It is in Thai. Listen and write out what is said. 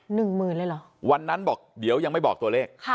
หนึ่งหมื่นเลยเหรอวันนั้นบอกเดี๋ยวยังไม่บอกตัวเลขค่ะ